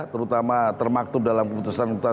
terutama termaktub dalam keputusan keputusan